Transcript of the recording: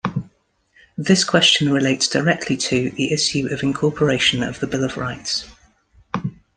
This question relates directly to the issue of incorporation of the Bill of Rights.